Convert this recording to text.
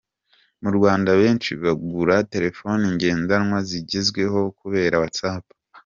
Mu Rwanda benshi bagura telefoni ngendanwa zigezweho kubera WhatsApp.